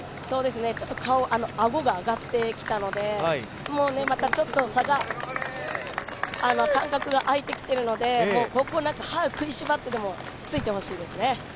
ちょっと顔、顎が上がってきたのでまたちょっと差が、間隔が空いてきているので、歯を食いしばってもついてほしいですね。